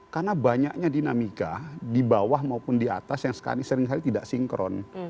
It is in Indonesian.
karena banyaknya dinamika di bawah maupun di atas yang seringkali tidak sinkron